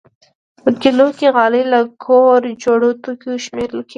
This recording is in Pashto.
په کلیو کې غالۍ له کور جوړو توکو شمېرل کېږي.